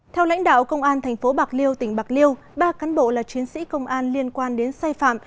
theo lãnh đạo công an tp bạc liêu tỉnh bạc liêu ba cán bộ là chiến sĩ công an liên quan đến sai phạm